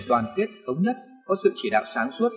đoàn kết thống nhất có sự chỉ đạo sáng suốt